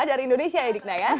dari indonesia ya dikna